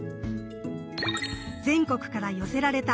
全国から寄せられた